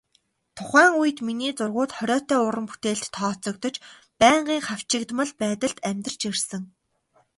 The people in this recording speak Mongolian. Тухайн үед миний зургууд хориотой уран бүтээлд тооцогдож, байнгын хавчигдмал байдалд амьдарч ирсэн.